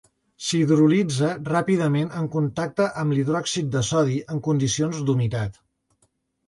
S'hidrolitza ràpidament en contacte amb hidròxid de sodi en condicions d'humitat.